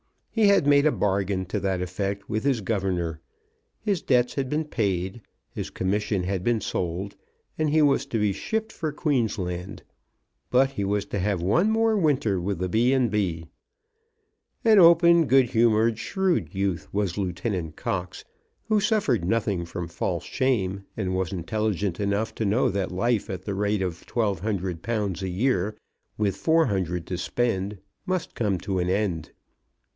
He had made a bargain to that effect with his governor. His debts had been paid, his commission had been sold, and he was to be shipped for Queensland. But he was to have one more winter with the B. and B. An open, good humoured, shrewd youth was Lieutenant Cox, who suffered nothing from false shame, and was intelligent enough to know that life at the rate of £1,200 a year, with £400 to spend, must come to an end.